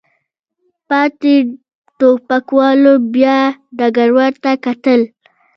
پاتې ټوپکوالو بیا ډګروال ته کتل.